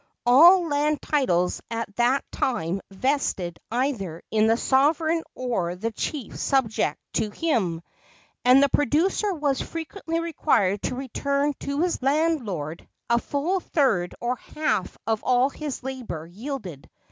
All land titles at that time vested either in the sovereign or the chiefs subject to him, and the producer was frequently required to return to his landlord a full third or half of all his labor yielded.